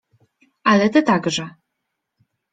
— Ale ty także…